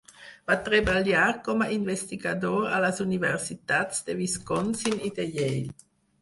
Va treballar com a investigador a les universitats de Wisconsin i de Yale.